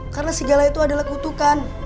karena serigala itu adalah kutukan